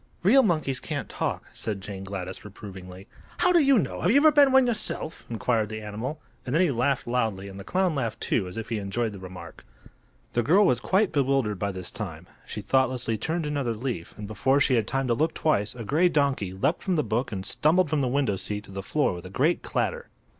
"Real monkeys can't talk," said Jane Gladys, reprovingly. "How do you know? Have you ever been one yourself?" inquired the animal; and then he laughed loudly, and the clown laughed, too, as if he enjoyed the remark. The girl was quite bewildered by this time. She thoughtlessly turned another leaf, and before she had time to look twice a gray donkey leaped from the book and stumbled from the window seat to the floor with a great clatter.